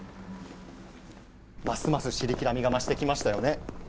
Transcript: ますますシリキラみが増して来ましたよね。